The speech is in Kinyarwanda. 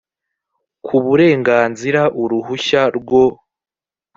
ku burenganzira uruhushya rwo